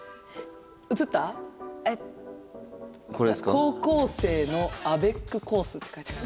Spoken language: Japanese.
「高校生のアベックコース」って書いてある。